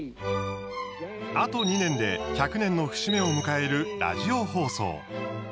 あと２年で１００年の節目を迎えるラジオ放送。